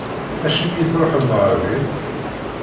Acimi i tṛuḥemt ɣer din?